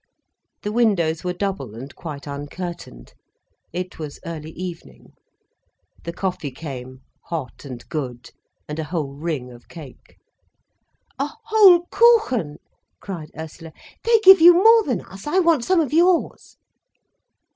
The windows were double, and quite uncurtained. It was early evening. The coffee came—hot and good—and a whole ring of cake. "A whole Kuchen!" cried Ursula. "They give you more than us! I want some of yours."